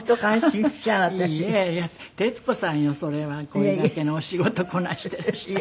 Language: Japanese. これだけのお仕事こなしているし。